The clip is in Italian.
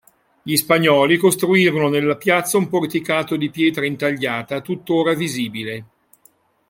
Gli spagnoli costruirono nella piazza un porticato di pietra intagliata, tuttora visibile.